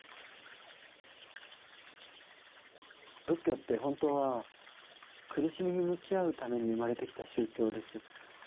仏教って本当は苦しみに向き合うために生まれてきた宗教です。